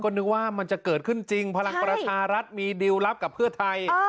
นึกว่ามันจะเกิดขึ้นจริงพลังประชารัฐมีดิวลลับกับเพื่อไทย